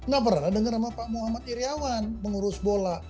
gak pernah dengar nama pak muhammad iryawan mengurus bola